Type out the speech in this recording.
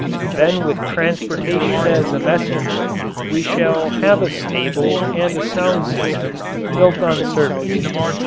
Then with transportation as a messenger, we shall have a stable and a sound system built on service.